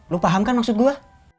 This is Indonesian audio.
lo paham kan maksud gua